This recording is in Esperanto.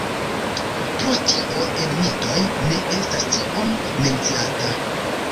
Pro tio en mitoj ne estas tiom menciata.